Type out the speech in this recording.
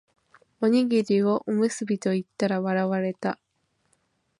おにぎりをおむすびと言ったら笑われた